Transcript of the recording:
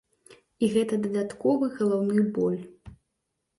І гэта дадатковы галаўны боль.